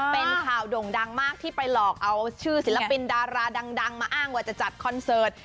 เป็นข่าวด่งดังมากที่ไปหลอกเอาชื่อศิลปินดาราดังมาอ้างว่าจะจัดคอนเสิร์ต